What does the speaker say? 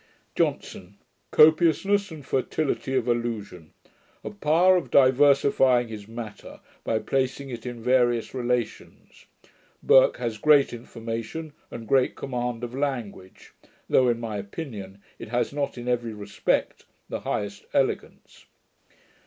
JOHNSON. 'Copiousness and fertility of allusion; a power of diversifying his matter, by placing it in various relations. Burke has great information, and great command of language; though, in my opinion, it has not in every respect the highest elegance.'